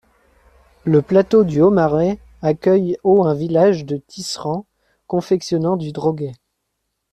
Le plateau du Haut-Marais accueille au un village de tisserands, confectionnant du droguet.